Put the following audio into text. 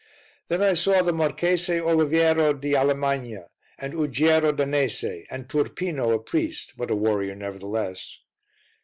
Then I saw the Marchese Oliviero di Allemagna and Uggiero Danese and Turpino, a priest, but a warrior nevertheless.